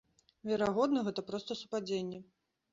Верагодна, гэта проста супадзенне.